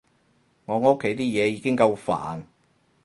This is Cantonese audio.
我屋企啲嘢已經夠煩